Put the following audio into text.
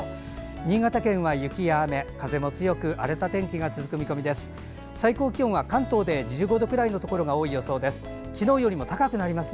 新潟県は雪や雨、風も強く荒れた天気が続く見込みです。